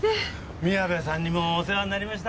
宮部さんにもお世話になりました。